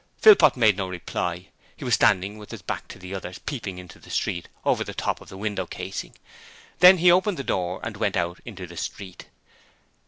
Philpot made no reply. He was standing with his back to the others, peeping out into the street over the top of the window casing. Then he opened the door and went out into the street.